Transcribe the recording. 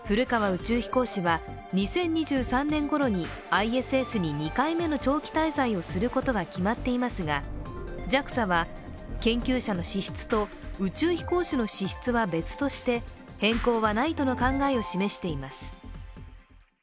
宇宙飛行士は、２０２３年ごろにＩＳＳに２回目の長期滞在をすることが決まっていますがＪＡＸＡは、研究者の資質と宇宙飛行士の資質は別として変更はないとの考えを示しています。